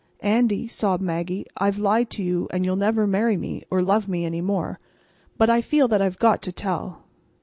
"Andy," sobbed Maggie. "I've lied to you, and you'll never marry me, or love me any more. But I feel that I've got to tell.